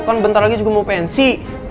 kan bentar lagi juga mau pensi